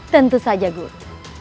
tentu saja guru